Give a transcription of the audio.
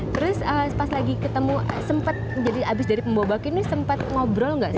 terus pas lagi ketemu sempat jadi abis dari pembawa baki ini sempat ngobrol nggak sih